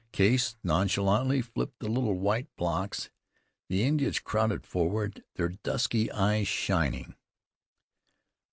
Case nonchalantly flipped the little white blocks. The Indians crowded forward, their dusky eyes shining.